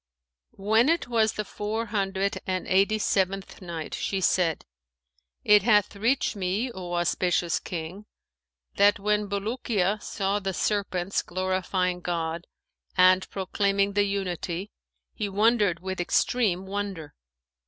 When it was the Four Hundred and Eighty seventh Night, She said, It hath reached me, O auspicious King, that "when Bulukiya saw the serpents glorifying God and proclaiming the Unity, he wondered with extreme wonder.